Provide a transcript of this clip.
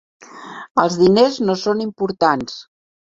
Els diners no són importants.